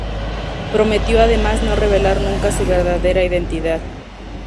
Prometió además no revelar nunca su verdadera identidad.